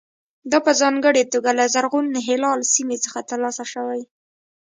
دا په ځانګړې توګه له زرغون هلال سیمې څخه ترلاسه شوي.